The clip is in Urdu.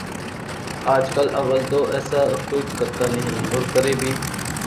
آج کل اول تو ایسا کوئی کرتا نہیں اور کرے بھی